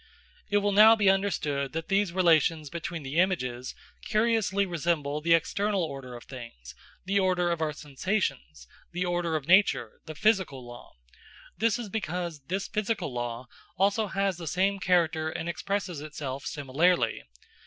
It will now be understood that these relations between the images curiously resemble the external order of things, the order of our sensations, the order of nature, the physical law. This is because this physical law also has the same character and expresses itself similarly.